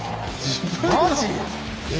マジ？